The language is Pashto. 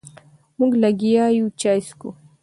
مونږ لګیا یو چای څکو.